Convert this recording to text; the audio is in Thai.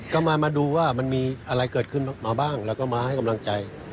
ก็มาดูว่ามันมีอะไรเกิดขึ้นมาบ้างแล้วก็มาให้กำลังใจ